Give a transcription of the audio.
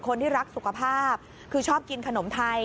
คนที่รักสุขภาพคือชอบกินขนมไทย